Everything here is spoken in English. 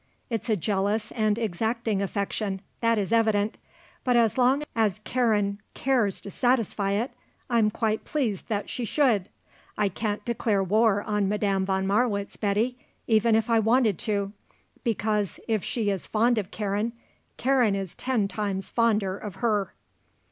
It's a jealous and exacting affection, that is evident; but as long as Karen cares to satisfy it I'm quite pleased that she should. I can't declare war on Madame von Marwitz, Betty, even if I wanted to. Because, if she is fond of Karen, Karen is ten times fonder of her."